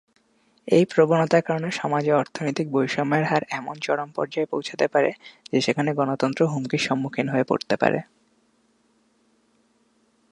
এই প্রবণতার কারণে সমাজে অর্থনৈতিক বৈষম্যের হার এমন চরম পর্যায়ে পৌঁছাতে পারে, যে সেখানে গণতন্ত্র হুমকির সম্মুখীন হয়ে পড়তে পারে।